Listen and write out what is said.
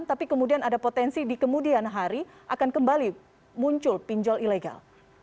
tapi kemudian ada potensi di kemudian hari akan kembali muncul pinjol ilegal